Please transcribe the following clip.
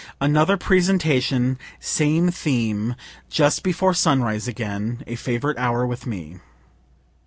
Another presentation same theme just before sunrise again, (a favorite hour with me.)